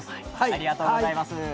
ありがとうございます。